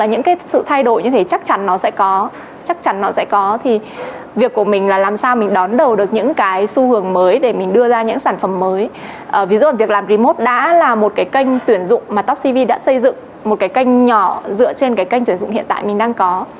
một cái kênh nhỏ dựa trên cái kênh tuyển dụng hiện tại mình đang có